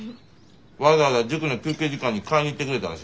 わざわざ塾の休憩時間に買いに行ってくれたらしいわ。